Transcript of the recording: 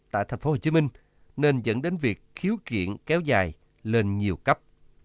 tại thành phố hồ chí minh nên dẫn đến việc khiếu kiện kéo dài lên nhiều cấp